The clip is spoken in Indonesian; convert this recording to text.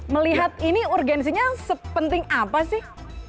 melihat ini urgensinya sepenting apa sih